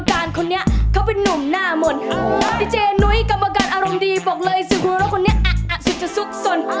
ใครแต่งลูกใครแต่ง